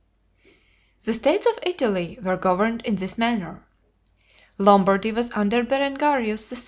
The States of Italy were governed in this manner: Lombardy was under Berengarius III.